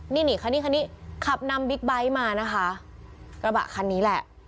นี่นี่คันนี้คันนี้ขับนำบิ๊กไบท์มานะคะกระบะคันนี้แหละ